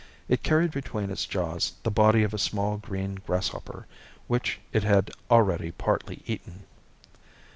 It carried between its jaws the body of a small green grasshopper, which it had already partly eaten.